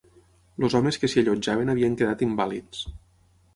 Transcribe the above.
Els homes que s'hi allotjaven havien quedat invàlids